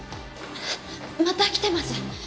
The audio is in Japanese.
また来てます。